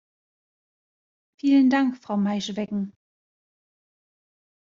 Vielen Dank, Frau Maij-Weggen.